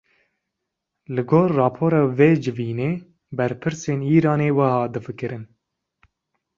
Li gor rapora vê civînê, berpirsên Îranê wiha difikirin